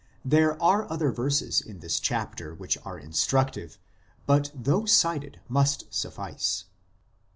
There are other verses in this chapter which are instructive, but those cited must suffice.